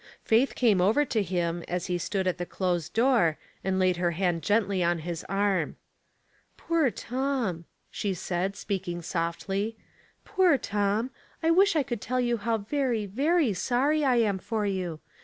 Faith came over to him, as he stood at the closed door, and laid her hand gently on his arm. "Poor Tom!" she said, speaking softly. *' Poor Tom ! I wish I could tell you how very, very sorry I am for you.